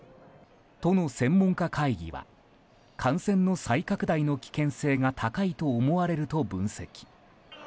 都の専門家会議は感染の再拡大の危険性が高いと思われると分析。